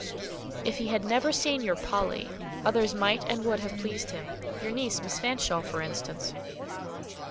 "If he had never seen your 'Polly,' others might and would have pleased him—your niece, Miss Fanshawe, for instance."